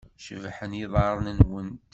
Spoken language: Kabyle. Cebḥen yiḍarren-nwent.